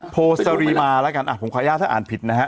โพสรีมาผมขออนุญาตถ้าอ่านผิดนะฮะ